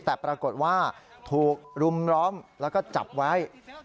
แต่ปรากฏว่าถูกรุมร้อมแล้วก็จับไว้